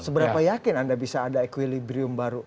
seberapa yakin anda bisa ada equilibrium baru